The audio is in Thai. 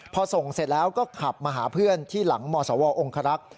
พอส่งเสร็จแล้วก็ขับมาหาเพื่อนที่หลังมศวองครักษ์